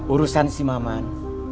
urusan si maman